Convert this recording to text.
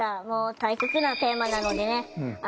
もう大切なテーマなのでね